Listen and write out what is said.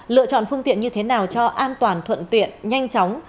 lựa chọn phương tiện như thế nào cho an toàn thuận tiện nhanh chóng